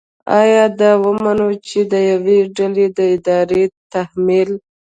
آیا دا ومنو چې د یوې ډلې د ارادې تحمیل